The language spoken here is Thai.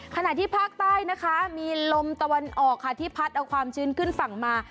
ขณะที่ภาคใต้นะคะมีลมตะวันออกค่ะที่พัดเอาความชื้นขึ้นฝั่งมา